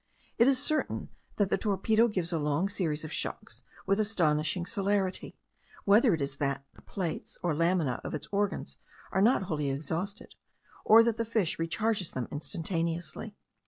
It is certain that the torpedo gives a long series of shocks with astonishing celerity; whether it is that the plates or laminae of its organs are not wholly exhausted, or that the fish recharges them instantaneously.